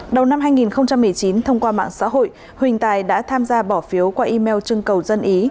đầu năm hai nghìn một mươi chín thông qua mạng xã hội huỳnh tài đã tham gia bỏ phiếu qua email trưng cầu dân ý